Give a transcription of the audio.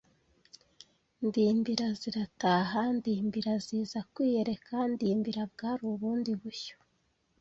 Ndimbira zirataha: Ndimbira ziza kwiyereka. Ndimbira bwari ubundi bushyo